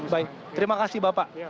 baik terima kasih bapak